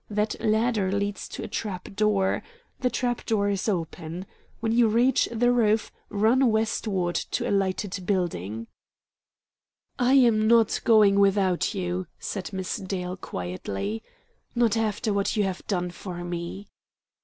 That ladder leads to a trap door. The trap door is open. When you reach the roof, run westward toward a lighted building." "I am not going without you," said Miss Dale quietly; "not after what you have done for me."